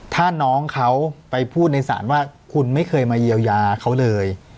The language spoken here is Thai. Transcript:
ถ้าน้องเขาไปพูดในศาลว่าคุณไม่เคยมาเยียวยาเขาเลย